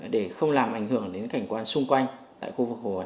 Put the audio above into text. để không làm ảnh hưởng đến cảnh quan xung quanh